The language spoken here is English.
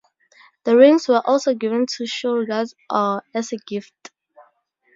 The rings were also given to show regard or as a gift.